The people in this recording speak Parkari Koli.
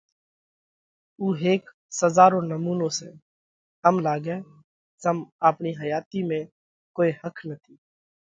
اُو هيڪ سزا رو نمُونو سئہ۔ ام لاڳئه زم آپڻِي حياتِي ۾ ڪوئي ۿک نٿِي۔